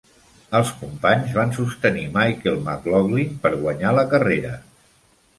Els companys van sostenir Michael McLaughlin per guanyar la carrera.